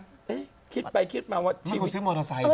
ไปคิดไปคิดมาว่าชีวิต